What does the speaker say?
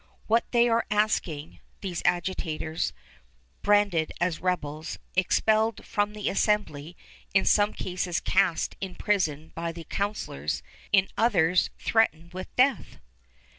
What are they asking, these agitators, branded as rebels, expelled from the assembly, in some cases cast in prison by the councilors, in others threatened with death?